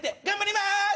頑張ります！